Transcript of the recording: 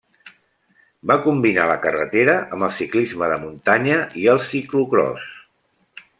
Va combinar la carretera amb el ciclisme de muntanya i el ciclocròs.